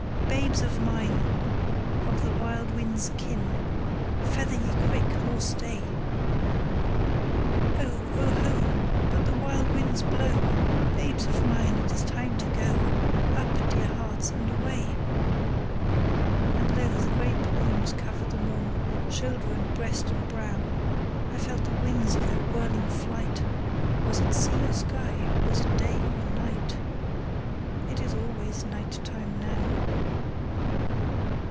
'Babes of mine, of the wild wind's kin, Feather ye quick, nor stay. Oh, oho! but the wild winds blow! Babes of mine, it is time to go: Up, dear hearts, and away!' And lo! the grey plumes covered them all, Shoulder and breast and brow. I felt the wind of their whirling flight: Was it sea or sky? was it day or night? It is always night time now.